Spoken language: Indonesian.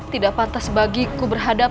tidak pantas bagiku berhadapan